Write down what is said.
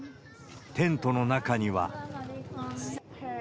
テントの中には。